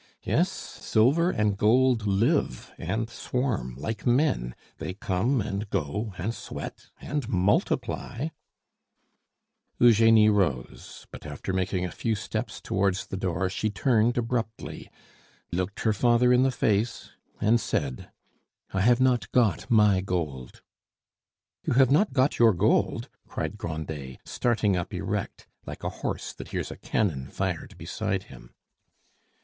Yes, silver and gold live and swarm like men; they come, and go, and sweat, and multiply " Eugenie rose; but after making a few steps towards the door she turned abruptly, looked her father in the face, and said, "I have not got my gold." "You have not got your gold!" cried Grandet, starting up erect, like a horse that hears a cannon fired beside him.